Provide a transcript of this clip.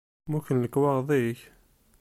Mmuten lekwaɣeḍ-ik?